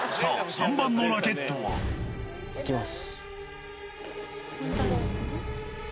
３番のラケットは。いきます。